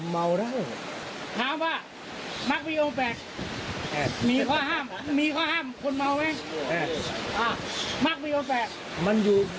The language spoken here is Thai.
มันอยู่กับศรีมแห่งเหลือฟะโยม